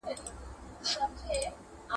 له نظره نور به نه درځمه